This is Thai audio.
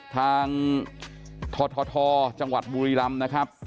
ทางททจังหวัดบุรีรำนะครับ